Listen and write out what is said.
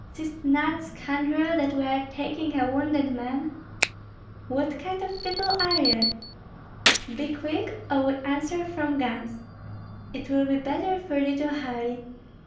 Seest not, scoundrel, that we are taking a wounded man?" "What kind of people are ye?" "Be quick, or we answer from guns. It will be better for thee to hurry.